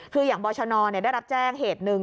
คืออย่างบรชนได้รับแจ้งเหตุหนึ่ง